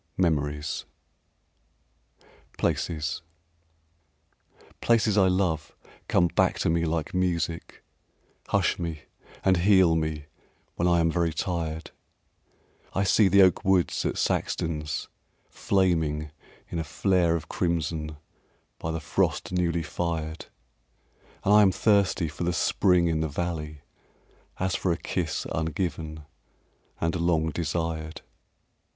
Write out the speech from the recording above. Memories II Places Places I love come back to me like music, Hush me and heal me when I am very tired; I see the oak woods at Saxton's flaming In a flare of crimson by the frost newly fired; And I am thirsty for the spring in the valley As for a kiss ungiven and long desired.